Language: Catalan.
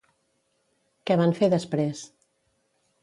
Què van fer després?